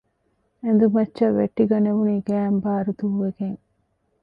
އެނދު މައްޗަށް ވެއްޓިގަނެވުނީ ގައިން ބާރު ދޫވެގެން